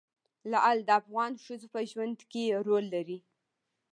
لعل د افغان ښځو په ژوند کې رول لري.